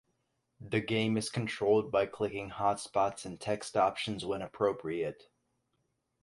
The game is controlled by clicking hotspots and text options when appropriate.